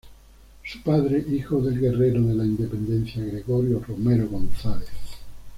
Su padre, hijo del guerrero de la independencia Gregorio Romero González.